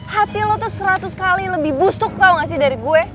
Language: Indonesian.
hati lo tuh seratus kali lebih busuk tau gak sih dari gue